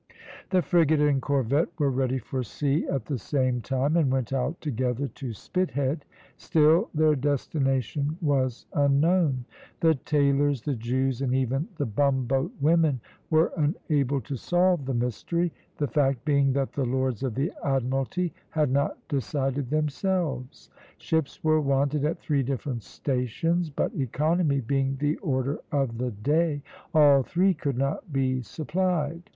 The frigate and corvette were ready for sea at the same time, and went out together to Spithead. Still their destination was unknown. The tailors, the Jews, and even the bumboat women were unable to solve the mystery, the fact being that the Lords of the Admiralty had not decided themselves. Ships were wanted at three different stations, but economy being the order of the day, all three could not be supplied.